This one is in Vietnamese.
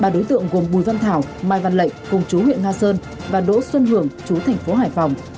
ba đối tượng gồm bùi văn thảo mai văn lệnh công chú huyện nga sơn và đỗ xuân hưởng chú tp hải phòng